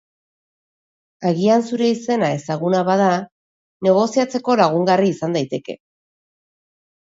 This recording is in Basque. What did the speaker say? Agian zure izena ezaguna bada, negoziatzeko lagungarri izan daiteke.